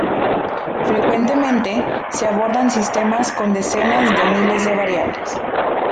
Frecuentemente se abordan sistemas con decenas de miles de variables.